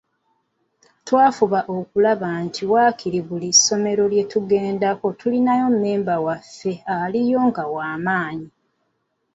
Twafuba okulaba nti waakiri buli ssomero lye tugendako tulina mmemba waffe alinayo gw’amanyi.